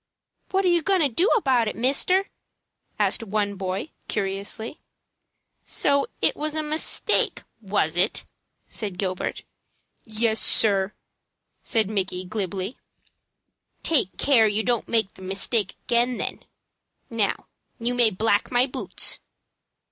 "What you going to do about it, mister?" asked one boy, curiously. "So it was a mistake, was it?" said Gilbert. "Yes, sir," said Micky, glibly. "Take care you don't make the mistake again, then. Now you may black my boots."